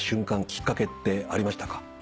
きっかけってありましたか？